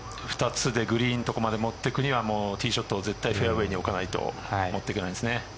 ２つでグリーンの所まで持ってくるにはティーショット絶対フェアウエーに置かないともっていけないですね。